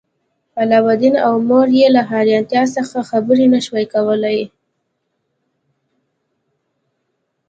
علاوالدین او مور یې له حیرانتیا څخه خبرې نشوای کولی.